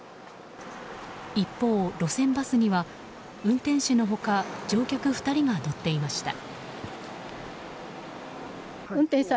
一方、路線バスには、運転手の他乗客２人が乗っていました。